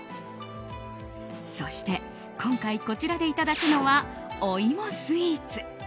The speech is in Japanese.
そして今回こちらでいただくのはお芋スイーツ。